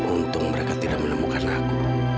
untung mereka tidak menemukan aku